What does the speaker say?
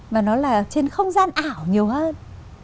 và nó là trên không gian ảo nhiều hơn